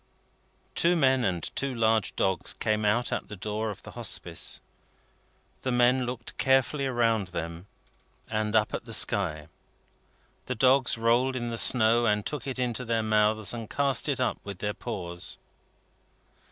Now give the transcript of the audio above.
Two men and two large dogs came out at the door of the Hospice. The men looked carefully around them, and up at the sky. The dogs rolled in the snow, and took it into their mouths, and cast it up with their paws.